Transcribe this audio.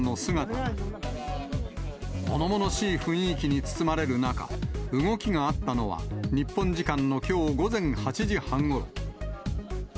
ものものしい雰囲気に包まれる中、動きがあったのは、日本時間のきょう午前８時半ごろ。